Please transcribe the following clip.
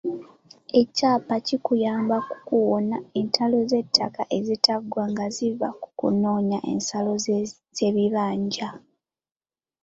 Ekyapa kikuyamba ku kuwona entalo z'ettaka ezitaggwa nga ziva ku kunoonya ensalo z'ebibanja.